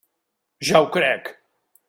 Ja ho crec!